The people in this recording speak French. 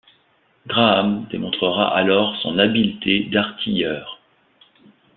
Graham démontrera alors son habileté d’artilleur.